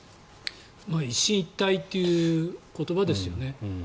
一進一退という言葉ですよね。